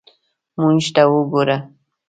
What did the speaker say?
موږ ته وګوره.